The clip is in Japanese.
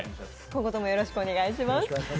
今後とよろしくお願いします。